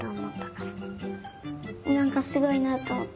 なんかすごいなとおもった。